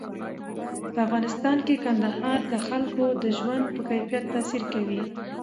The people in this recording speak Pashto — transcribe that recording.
په افغانستان کې کندهار د خلکو د ژوند په کیفیت تاثیر کوي.